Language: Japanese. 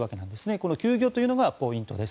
この休業というのがポイントです。